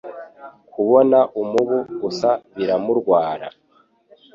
Kubona umubu gusa biramurwara.